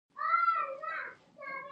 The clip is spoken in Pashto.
د دې دسیسو او نورو تړونونو ذکرول.